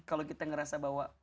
kalau kita ngerasa bahwa